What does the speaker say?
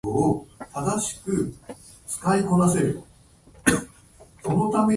私は今が最高に楽しいです。ダンスがうまくなりたい。